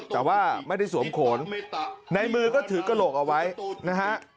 แต่ว่าไม่ได้สวมโขนในมือก็ถือกระโหลกเอาไว้นะฮะ